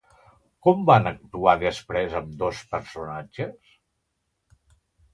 Com van actuar després ambdós personatges?